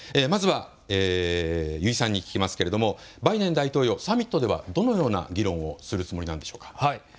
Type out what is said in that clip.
まずは油井さんに聞きますけれどもバイデン大統領、サミットではどのような議論をするつもりなんでしょうか。